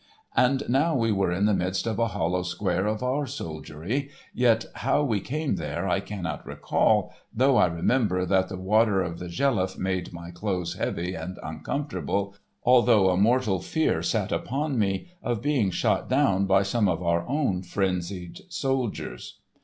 And now we were in the midst of a hollow square of our soldiery, yet how we came there I cannot recall, though I remember that the water of the Jeliffe made my clothes heavy and uncomfortable, although a mortal fear sat upon me of being shot down by some of our own frenzied soldiers.